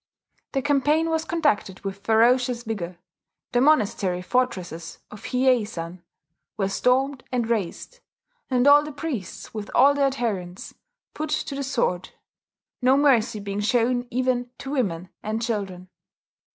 The campaign was conducted with ferocious vigour; the monastery fortresses of Hiyei san were stormed and razed, and all the priests, with all their adherents, put to the sword no mercy being shown even to women and children.